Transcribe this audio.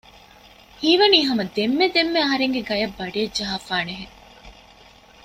ހީވަނީ ހަމަ ދެންމެ ދެންމެ އަހަރެންގެ ގަޔަށް ބަޑިއެއް ޖަހާފާނެހެން